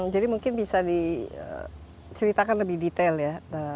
jadi mungkin bisa diceritakan lebih detail ya